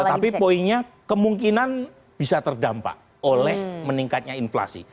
tetapi poinnya kemungkinan bisa terdampak oleh meningkatnya inflasi